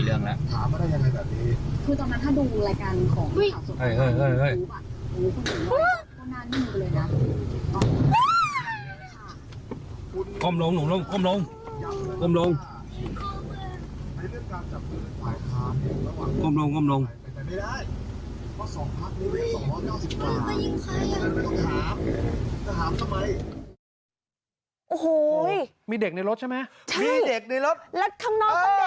แล้วคำน้องเขาเด็กชุดนักเรียนอ่ะ